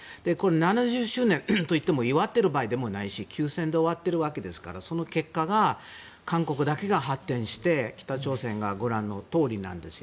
７０周年といっても祝っている場合でもないし休戦で終わっているわけですからその結果が韓国だけが発展して北朝鮮がご覧のとおりなんです。